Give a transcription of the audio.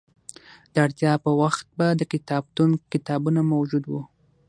د اړتیا په وخت به د کتابتون کتابونه موجود وو.